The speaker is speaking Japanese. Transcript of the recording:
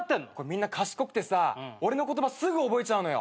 みんな賢くてさ俺の言葉すぐ覚えちゃうのよ。